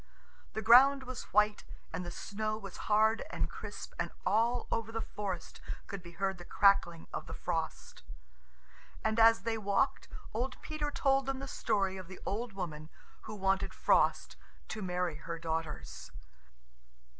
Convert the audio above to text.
The ground was white and the snow was hard and crisp, and all over the forest could be heard the crackling of the frost. And as they walked, old Peter told them the story of the old woman who wanted Frost to marry her daughters.